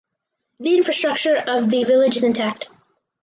The infrastructure of the village is intact.